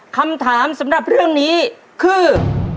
คำถามสำหรับเรื่องนี้คือ